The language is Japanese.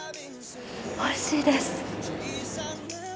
おいしいです。